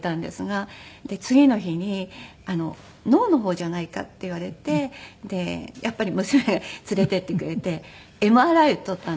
次の日に「脳の方じゃないか」って言われてでやっぱり娘が連れて行ってくれてＭＲＩを撮ったんです